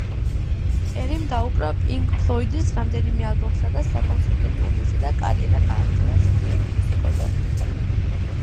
პერიმ დაუკრა პინკ ფლოიდის რამდენიმე ალბომსა და საკონცერტო ტურნეზე და კარიერა გააგრძელა სესიურ მუსიკოსად.